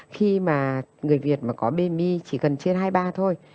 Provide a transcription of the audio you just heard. khi mà người việt mà có bemi chỉ cần trên hai mươi ba thôi